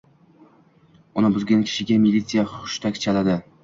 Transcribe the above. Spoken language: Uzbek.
Uni buzgan kishiga militsiya hushtak chaladi.